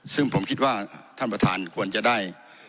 ซึ่งผมคิดว่าท่านประธานควรจะได้